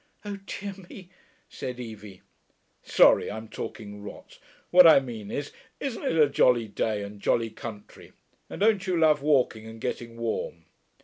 ('Oh dear me,' said Evie.) 'Sorry; I'm talking rot. What I mean is, isn't it a jolly day and jolly country, and don't you love walking and getting warm?...